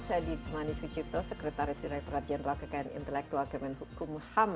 saya adi manis suciuto sekretaris direkturat jenderal kekalian intelektual gemen hukum ham